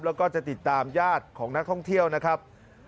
แล้วก็จะติดตามญาติของนักท่องเที่ยวนะครับ